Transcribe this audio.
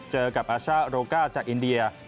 เจอกับอาซาโรก้าจากอินเดีย